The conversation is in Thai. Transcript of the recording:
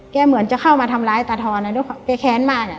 แกเหมือนจะเข้ามาทำร้ายตาถอนอ่ะเพราะแกแค้นมากอ่ะ